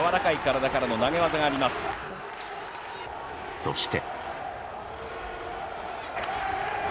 そして。